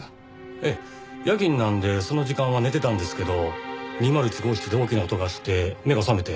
ええ夜勤なのでその時間は寝てたんですけど２０１号室で大きな音がして目が覚めて。